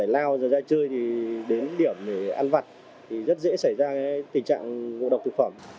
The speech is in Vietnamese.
lao giờ ra chơi thì đến điểm để ăn vặt thì rất dễ xảy ra tình trạng ngộ độc thực phẩm